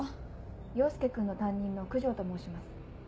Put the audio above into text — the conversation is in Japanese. ・陽介君の担任の九条と申します